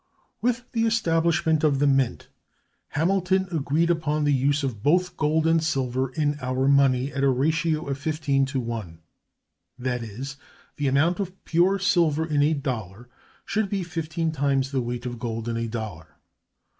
With the establishment of the mint, Hamilton agreed upon the use of both gold and silver in our money, at a ratio of 15 to 1: that is, that the amount of pure silver in a dollar should be fifteen times the weight of gold in a dollar.